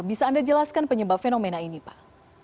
bisa anda jelaskan penyebab fenomena ini pak